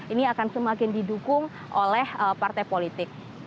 ini akan semakin didukung oleh partai politik